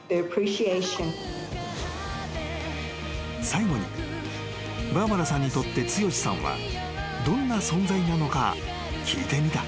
［最後にバーバラさんにとって剛志さんはどんな存在なのか聞いてみた］